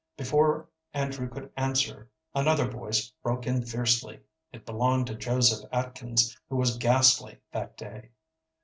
Before Andrew could answer, another voice broke in fiercely. It belonged to Joseph Atkins, who was ghastly that day.